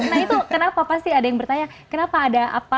nah itu kenapa pasti ada yang bertanya kenapa ada apa